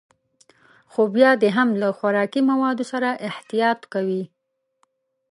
خو بيا دې هم له خوراکي موادو سره احتياط کوي.